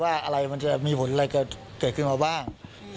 ว่าอะไรมีผลเป็นอะไรเกิดขึ้นมาบ้าง